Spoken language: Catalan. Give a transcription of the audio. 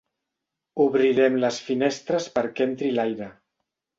Obrirem les finestres perquè entri l'aire.